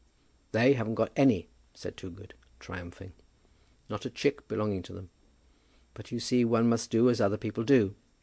"They haven't got any," said Toogood, triumphing; "not a chick belonging to them. But you see one must do as other people do.